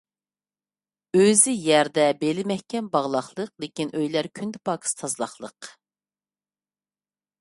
ئۆزى يەردە بېلى مەھكەم باغلاغلىق، لېكىن ئۆيلەر كۈندە پاكىز تازىلاقلىق.